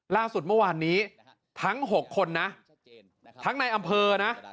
ล่าสุดเมื่อวานนี้ทั้ง๖คนนะทั้งในอำเภอนะ